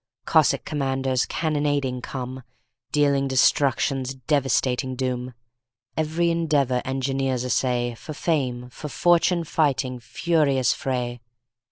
Cossack commanders cannonading come, Dealing destruction's devastating doom. Every endeavor engineers essay, For fame, for fortune fighting furious fray!